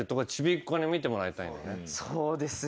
そうですね。